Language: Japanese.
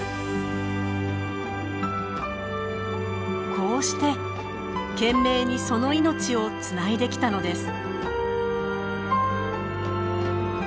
こうして懸命にその命をつないできたのです。